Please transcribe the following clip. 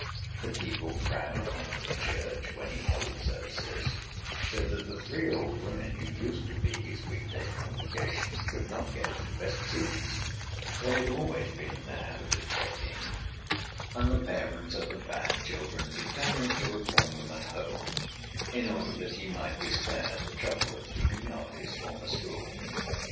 The people crowded into the church when he held services, so that the three old women who used to be his week day congregation could not get to the best seats, which they had always been in the habit of taking; and the parents of the bad children determined to reform them at home, in order that he might be spared the trouble of keeping up his former school.